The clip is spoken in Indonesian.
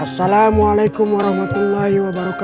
assalamualaikum warahmatullahi wabarakatuh